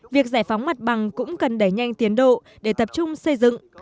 việc giải phóng mặt bằng cũng cần đẩy nhanh tiến độ để tập trung xây dựng